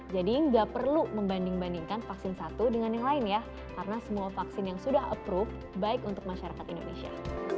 jadi nggak perlu membanding bandingkan vaksin satu dengan yang lain ya karena semua vaksin yang sudah approved baik untuk masyarakat indonesia